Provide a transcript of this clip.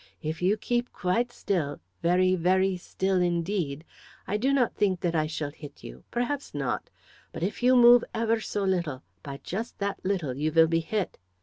If you keep quite still very, very still indeed I do not think that I shall hit you, perhaps not. But, if you move ever so little, by just that little you will be hit.